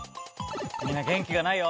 みんな元気がないよ。